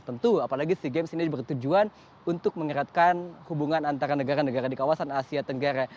tentu apalagi sea games ini bertujuan untuk mengeratkan hubungan antara negara negara di kawasan asia tenggara